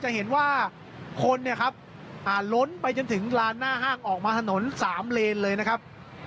จะเห็นว่าคนเนี่ยครับล้นไปจนถึงลานหน้าห้างออกมาถนน๓เลนเลยนะครับ